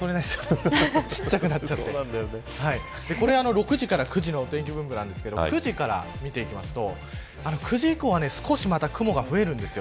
６時から９時のお天気分布ですけど９時から見ていきますと９時以降は少し雲が増えるんです。